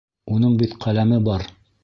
Уның бит ҡәләме бар.